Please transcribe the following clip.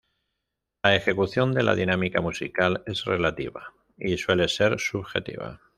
La ejecución de la dinámica musical es relativa y suele ser subjetiva.